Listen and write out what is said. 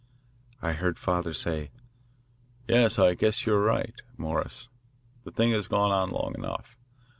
I heard father say: 'Yes, I guess you are right, Morris. The thing has gone on long enough.